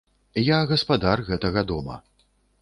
Я гаспадар гэтага дома.